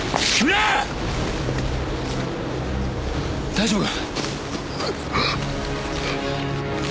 大丈夫か？